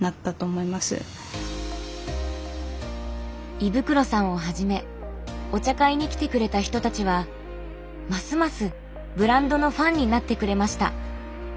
衣袋さんをはじめお茶会に来てくれた人たちはますますブランドのファンになってくれました。